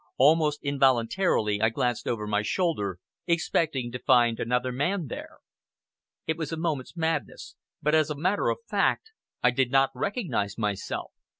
Almost involuntarily I glanced over my shoulder, expecting to find another man there. It was a moment's madness, but as a matter of fact I did not recognize myself.